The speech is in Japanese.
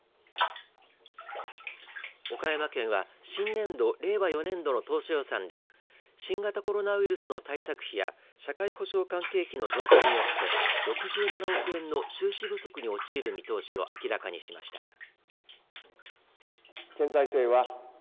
岡山県は新年度、令和４年度の当初予算で新型コロナウイルスの対策費や社会保障関係費の増加によって６７億円の収支不足に陥る見通しを明らかにしました。